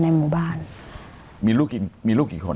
แล้วแมวอยู่ในหมู่บ้าน